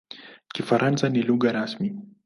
Kifaransa ni lugha rasmi.